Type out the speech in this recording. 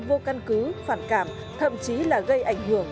vô căn cứ phản cảm thậm chí là gây ảnh hưởng